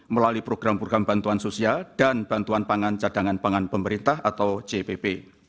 melalui program program bantuan sosial dan bantuan pangan cadangan pangan pemerintah atau cpp